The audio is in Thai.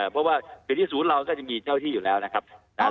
เพราะว่าอยู่ที่ศูนย์เราก็จะมีเจ้าที่อยู่แล้วนะครับ